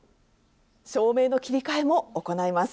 照明の切り替えも行います。